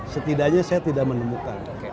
setidaknya saya tidak menemukan